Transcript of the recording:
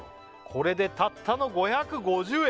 「これでたったの５５０円」